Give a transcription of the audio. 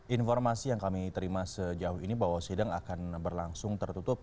informasi yang kami terima sejauh ini bahwa sidang akan berlangsung tertutup